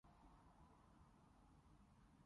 英國超越太多